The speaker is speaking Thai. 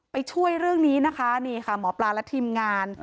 ช่วยเรื่องนี้นะคะนี่ค่ะหมอปลาและทีมงาน